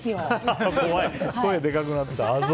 声でかくなった。